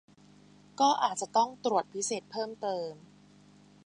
ก็อาจจะต้องตรวจพิเศษเพิ่มเติม